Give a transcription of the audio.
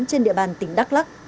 trên địa bàn tỉnh đắk lắc